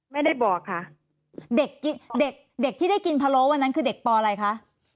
ไม่ได้บอกค่ะเด็กเด็กที่ได้กินพะโล้วันนั้นคือเด็กปอะไรคะ